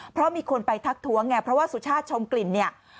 เพราะมีคนไปทักท้วงไงเพราะว่าสุชาติชมกลิ่นเนี่ย